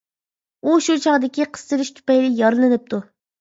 ئۇ شۇ چاغدىكى قىستىلىش تۈپەيلى يارىلىنىپتۇ.